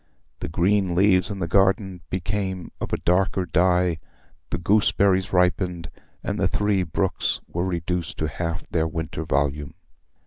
The green leaves in the garden became of a darker dye, the gooseberries ripened, and the three brooks were reduced to half their winter volume.